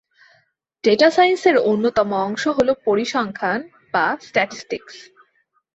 Data সাইন্সের অন্যতম অংশ হোল পরিসংখ্যান বা স্ট্যাটিস্টিক্স।